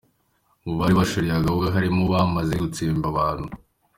Mubari bashoreye abahunga harimo abari bamaze gutsemba abantu.